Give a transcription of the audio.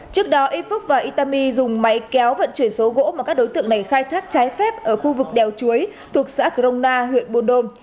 trước đó ifuk và itami dùng máy kéo vận chuyển số gỗ mà các đối tượng này khai thác trái phép ở khu vực đèo chuối thuộc xã krona huyện bồn đôn